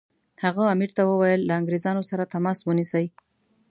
هغه امیر ته وویل له انګریزانو سره تماس ونیسي.